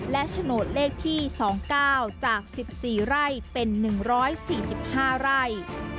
และโฉนดเลขที่๒๙จาก๑๔ไร่เป็น๑๔๕ไร่